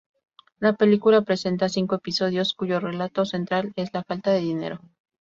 La película presenta cinco episodios cuyo relato central es la falta de dinero.